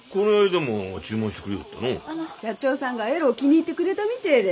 社長さんがえろう気に入ってくれたみてえで。